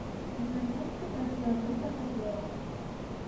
На месцы працуе група сапёраў.